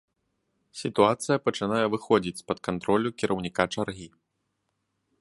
Сітуацыя пачынае выходзіць з-пад кантролю кіраўніка чаргі.